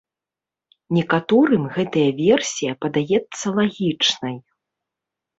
Некаторым гэтая версія падаецца лагічнай.